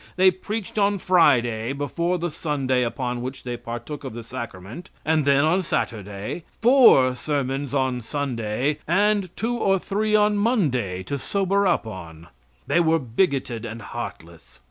They preached on Friday before the Sunday upon which they partook of the sacrament, and then on Saturday; four sermons on Sunday, and two or three on Monday to sober up on. They were bigoted and heartless.